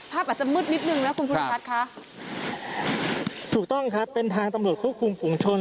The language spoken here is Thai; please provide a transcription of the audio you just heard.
ภาพอาจจะมึดลิบนึงนะคุณพตรัสคะถูกต้องครับเป็นทางตำรวจคูบคุมฝุงชน